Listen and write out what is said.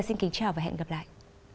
xin kính chào và hẹn gặp lại